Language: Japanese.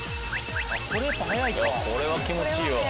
これは気持ちいいわ。